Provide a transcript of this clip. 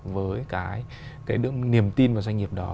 với cái niềm tin vào doanh nghiệp đó